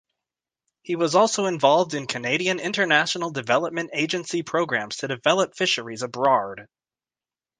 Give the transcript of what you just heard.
He was also involved in Canadian International Development Agency programs to develop fisheries abroard.